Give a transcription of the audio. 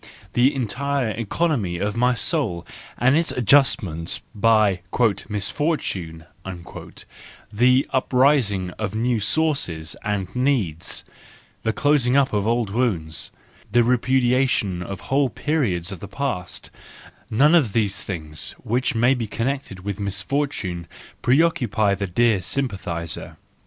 The entire economy of my soul and its adjustment by "mis¬ fortune/' the uprising of new sources and needs, the closing up of old wounds, the repudiation of whole periods of the past—none of these things which may be connected with misfortune preoccupy the dear sympathiser.